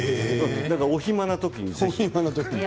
お暇なときに、ぜひ。